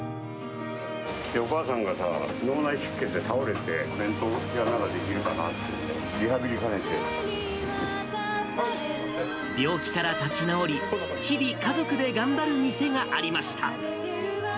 お母さんがさ、脳内出血で倒れて、弁当店ならできるかなというんで、リハビリを病気から立ち直り、日々、家族で頑張る店がありました。